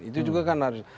itu juga kan harus